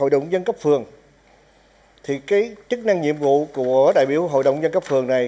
hội đồng dân cấp phường thì cái chức năng nhiệm vụ của đại biểu hội đồng nhân cấp phường này